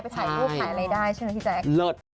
ถ่ายรูปถ่ายอะไรได้ใช่ไหมพี่แจ๊ค